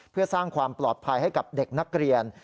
เพื่อสร้างความปลอดภัยให้กับเด็กนักเรียน